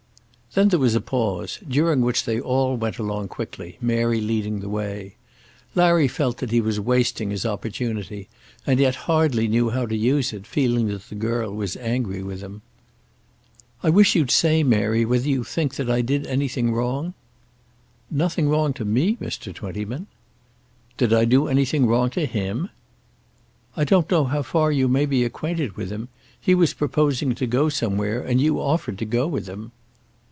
Then there was a pause, during which they all went along quickly, Mary leading the way. Larry felt that he was wasting his opportunity; and yet hardly knew how to use it, feeling that the girl was angry with him. "I wish you'd say, Mary, whether you think that I did anything wrong?" "Nothing wrong to me, Mr. Twentyman." "Did I do anything wrong to him?" "I don't know how far you may be acquainted with him. He was proposing to go somewhere, and you offered to go with him."